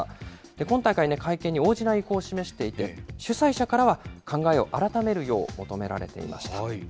今大会ね、会見に応じない意向を示していて、主催者からは考えを改めるよう求められていました。